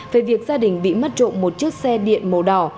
về việc gia đình bị mất trộm một chiếc xe điện màu đỏ